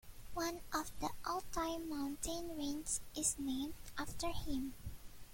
One of the Altai mountain ranges is named after him.